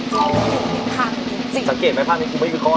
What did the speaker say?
เหมาะอยู่บ้าง